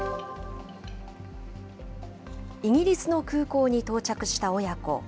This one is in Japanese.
イギリスの空港に到着した親子。